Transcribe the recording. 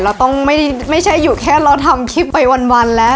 เราต้องไม่ใช่อยู่แค่เราทำคลิปไปวันแล้ว